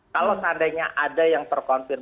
kalau seandainya ada yang terkonfirmasi